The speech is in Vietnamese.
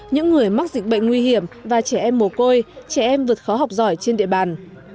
những người mắc dịch bệnh nguy hiểm và trẻ em mồ côi trẻ em vượt khó học giỏi trên địa bàn